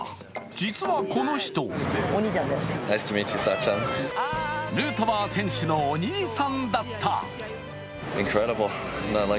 実はこの人ヌートバー選手のお兄さんだった。